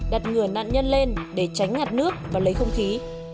đặt ngừa nạn nhân lên để tránh ngặt nước và lấy không khí